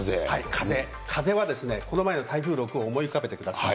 風、風はですね、この前の台風６号を思い浮かべてください。